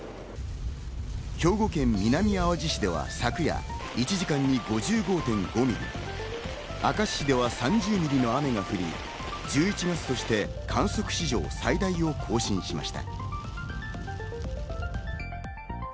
兵庫県南あわじ市では昨夜、１時間に５５．５ミリ、明石市では３０ミリの雨が降り、１１月として観測史上最大を更新しました。